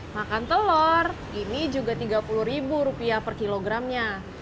makan telur ini juga tiga puluh ribu rupiah per kilogramnya